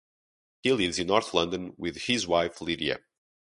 He lives in North London with his wife Lydia.